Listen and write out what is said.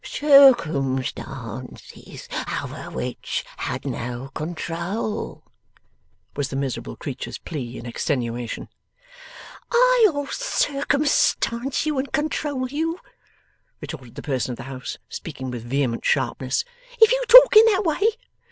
'Circumstances over which had no control,' was the miserable creature's plea in extenuation. 'I'LL circumstance you and control you too,' retorted the person of the house, speaking with vehement sharpness, 'if you talk in that way.